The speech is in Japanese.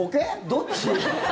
どっち？